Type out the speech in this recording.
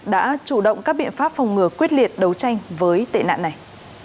đã chủ động các biện pháp phòng ngừa quyết liệt đấu tranh với tệ nạn này